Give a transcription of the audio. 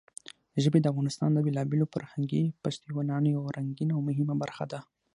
ژبې د افغانستان د بېلابېلو فرهنګي فستیوالونو یوه رنګینه او مهمه برخه ده.